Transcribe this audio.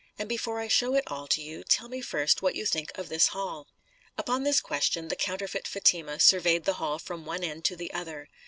And before I show it all to you, tell me first what you think of this hall." Upon this question the counterfeit Fatima surveyed the hall from one end to the other.